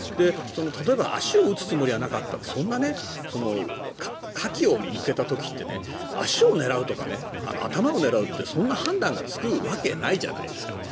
例えば足を撃つつもりはなかったそんな火器を向けた時って足を狙うとか頭を狙うってそんな判断がつくわけないじゃないですか。